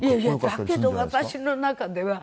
だけど私の中では。